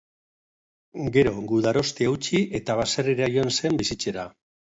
Gero gudarostea utzi eta baserrira joan zen bizitzera.